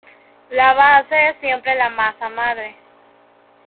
La base es siempre la masa madre.